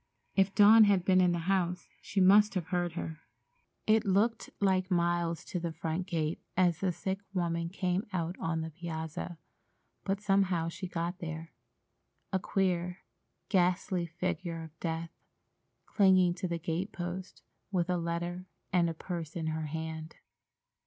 If Dawn had been in the house, she must have heard her. It looked like miles to the front gate as the sick woman came out on the piazza, but somehow she got there—a queer, ghastly figure of death, clinging to the gate post, with a letter and a purse in her hand.